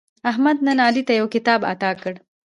احمد نن علي ته یو کتاب اعطا کړ.